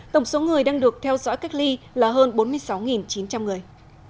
tổng số người đang được theo dõi cách ly là hơn bốn mươi sáu chín trăm linh người